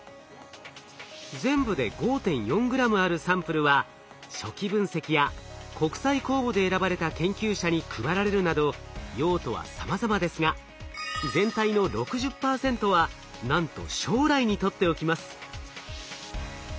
全部で５．４グラムあるサンプルは初期分析や国際公募で選ばれた研究者に配られるなど用途はさまざまですが全体の６０％はなんと将来に取っておきます。